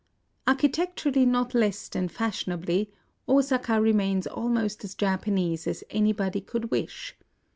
Architecturally not less than fashionably, Osaka remains almost as Japanese as anybody could wish.